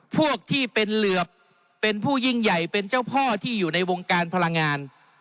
พวกที่เป็นเหลือบเป็นผู้ยิ่งใหญ่เป็นเจ้าพ่อที่อยู่ในวงการพลังงาน